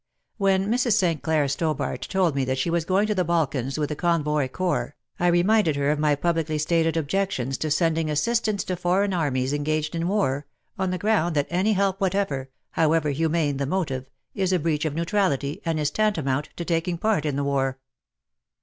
When Mrs. St. Clair Stobart told me that she was going to the Balkans with the Convoy Corps, I reminded her of my publicly stated objections to sending assistance to foreign armies engaged in war, on the ground that any help whatever (however humane the motive) is a breach of neutrality and is tantamount to taking part in the war.